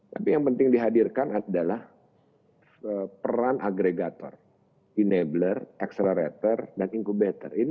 tapi yang penting dihadirkan adalah peran agregator enabler accelerator dan incubator